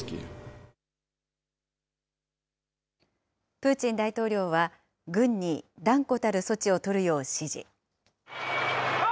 プーチン大統領は、軍に断固たる措置を取るよう指示。